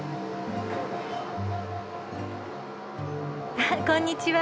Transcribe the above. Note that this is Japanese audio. あっこんにちは。